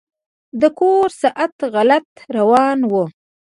د کور ساعت غلط روان و.